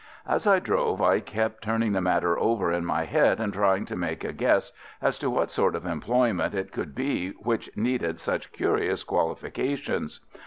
As I drove, I kept turning the matter over in my head and trying to make a guess as to what sort of employment it could be which needed such curious qualifications.